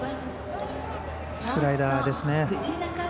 スライダーですね。